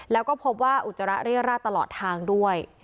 แล้วก็พบว่าอุจจาระเรียราชตลอดทางด้วย